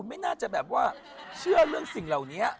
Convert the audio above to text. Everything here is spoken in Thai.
ไม่น่าจะแบบว่าเชื่อเรื่องสิ่งเหล่านี้